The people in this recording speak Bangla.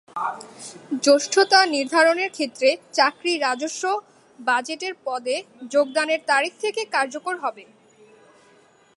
জ্যেষ্ঠতা নির্ধারণের ক্ষেত্রে চাকরি রাজস্ব বাজেটের পদে যোগদানের তারিখ থেকে কার্যকর হবে।